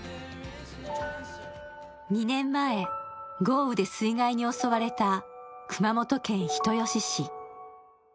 ２年前、豪雨で水害に襲われた熊本県人吉市。